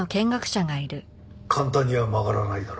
簡単には曲がらないだろ？